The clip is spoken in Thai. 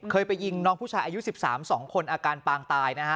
ไปยิงน้องผู้ชายอายุ๑๓๒คนอาการปางตายนะฮะ